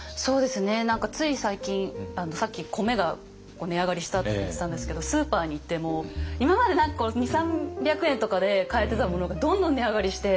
何かつい最近さっき米が値上がりしたって言ってたんですけどスーパーに行っても今まで何か２００３００円とかで買えてたものがどんどん値上がりして。